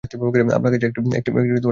আপনার কাছে একটি বিষয় জানবার আছে।